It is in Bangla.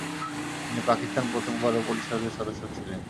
তিনি পাকিস্তান প্রথম গণপরিষদের সদস্য ছিলেন।